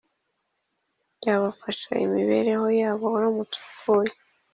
byabafasha imibereho yabo uramutse upfuye?